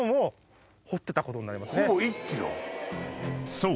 ［そう。